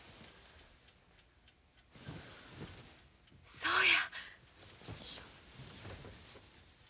そうや。